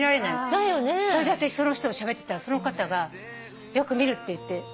それで私その人としゃべってたらその方がよく見るって言って。